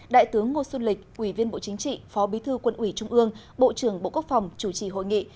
đại tướng ngô xuân lịch ủy viên bộ chính trị phó bí thư quân ủy trung ương bộ trưởng bộ quốc phòng chủ trì hội nghị